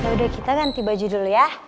udah kita ganti baju dulu ya